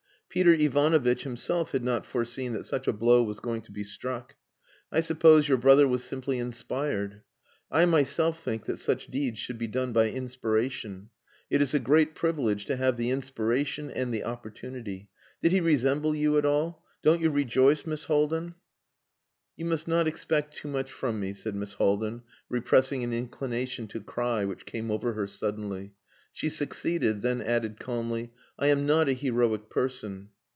Peter Ivanovitch himself had not foreseen that such a blow was going to be struck. I suppose your brother was simply inspired. I myself think that such deeds should be done by inspiration. It is a great privilege to have the inspiration and the opportunity. Did he resemble you at all? Don't you rejoice, Miss Haldin?" "You must not expect too much from me," said Miss Haldin, repressing an inclination to cry which came over her suddenly. She succeeded, then added calmly, "I am not a heroic person!"